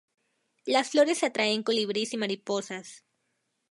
Las flores atraen colibríes y mariposas.